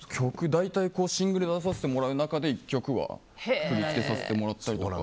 大体、シングル出させてもらう中で、１曲は振り付けさせてもらったりとか。